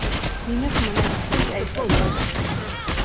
ნინოს მონასტრის ტერიტორიაზე.